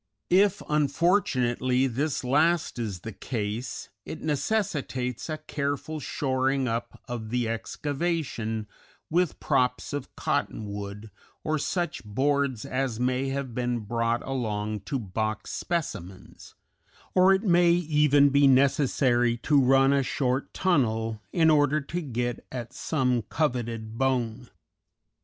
If, unfortunately, this last is the case, it necessitates a careful shoring up of the excavation with props of cotton wood or such boards as may have been brought along to box specimens, or it may even be necessary to run a short tunnel in order to get at some coveted bone.